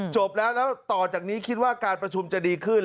จบแล้วแล้วต่อจากนี้คิดว่าการประชุมจะดีขึ้น